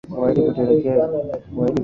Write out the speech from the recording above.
uahidi kutekeleza yale yote ambayo yalifikiwa